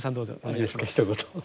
いいですかひと言。